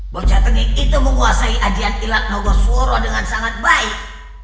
bocatengi itu menguasai adian ilat mogosworo dengan sangat baik